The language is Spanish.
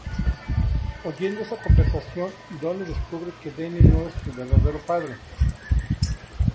Oyendo esta conversación Donny descubre que Denny no es su verdadero padre.